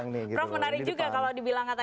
menarik juga kalau dibilang